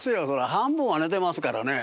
半分は寝てますからねえ。